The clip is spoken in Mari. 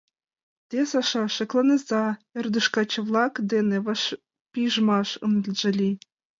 — Те, Саша, шекланыза, ӧрдыж каче-влак дене вашпижмаш ынже лий!